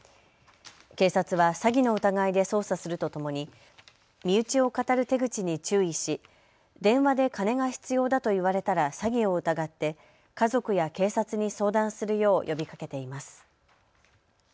警察は詐欺の疑いで捜査するとともに身内をかたる手口に注意し電話で金が必要だと言われたら詐欺を疑って家族や警察に相談するよう呼びかけています。